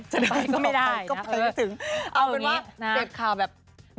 จะไปก็ไม่ได้นะเอาเป็นว่าเสร็จคราวแบบใจเย็น